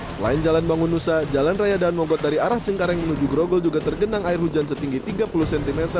selain jalan bangun nusa jalan raya daan mogot dari arah cengkareng menuju grogol juga tergenang air hujan setinggi tiga puluh cm